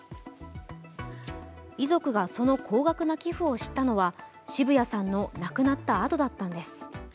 遺族がその高額な寄付を知ったのは澁谷さんの亡くなったあとだったんです。